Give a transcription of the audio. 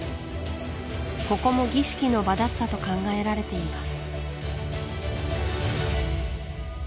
ここも儀式の場だったと考えられています